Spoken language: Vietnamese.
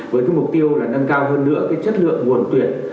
với mục tiêu là nâng cao hơn nữa chất lượng nguồn tuyển